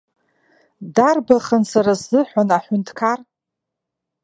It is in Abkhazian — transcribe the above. Дарбахын сара сзыҳәан аҳәынҭқар!